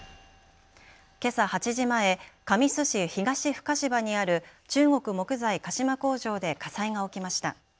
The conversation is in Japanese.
けさ８時前、神栖市東深芝にある中国木材鹿島工場で火災が起きました。